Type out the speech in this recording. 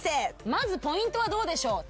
まずポイントはどうでしょう？